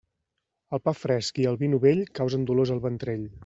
El pa fresc i el vi novell causen dolors al ventrell.